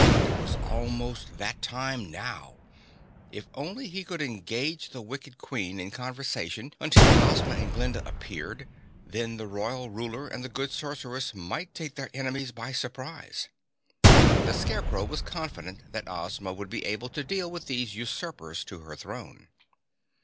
It was almost that time now. If only he could engage the wicked Queen in conversation until Ozma and Glinda appeared, then the Royal Ruler and the Good Sorceress might take their enemies by surprise. The Scarecrow was confident that Ozma would be able to deal with these usurpers to her throne.